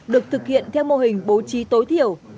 được thực hiện theo mô hình bố trí tối thiểu